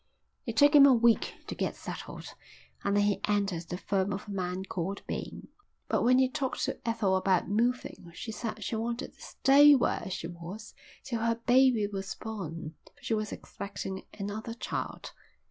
It took him a week to get settled and then he entered the firm of a man called Bain. But when he talked to Ethel about moving she said she wanted to stay where she was till her baby was born, for she was expecting another child.